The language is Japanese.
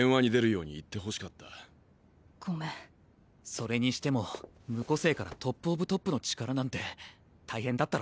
それにしても無個性からトップオブトップの力なんて大変だったろ。